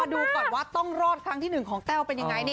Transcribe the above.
ดูก่อนว่าต้องรอดครั้งที่๑ของแต้วเป็นยังไง